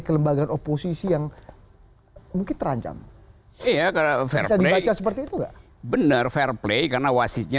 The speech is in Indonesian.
kelembagaan oposisi yang mungkin terancam ya karena saya seperti itu benar fair play karena wasitnya